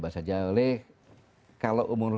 saja oleh kalau umur